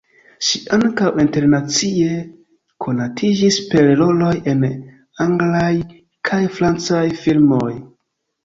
Ŝi ankaŭ internacie konatiĝis per roloj en anglaj kaj francaj filmoj.